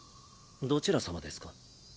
どちら様ですか？